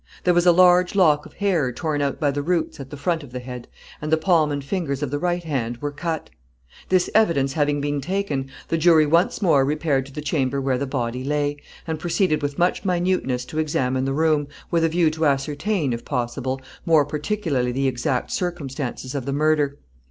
There was a large lock of hair torn out by the roots at the front of the head, and the palm and fingers of the right hand were cut. This evidence having been taken, the jury once more repaired to the chamber where the body lay, and proceeded with much minuteness to examine the room, with a view to ascertain, if possible, more particularly the exact circumstances of the murder.